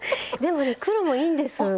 でもね黒もいいんです。